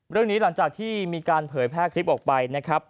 เรื่องนี้หลังจากที่มีการเผยแพร่คลิปออกไปนะครับ